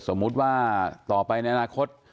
สมมุติว่าต่อไปในอนาคต